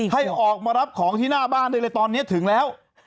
ให้ออกมารับของที่หน้าบ้านได้เลยตอนนี้ถึงแล้ว